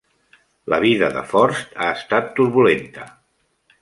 La vida de Forst ha estat turbulenta.